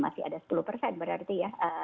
masih ada sepuluh persen berarti ya